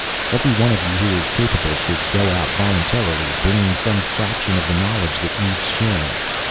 Every one of you who is capable should go out voluntarily, bringing some fraction of the knowledge that needs sharing.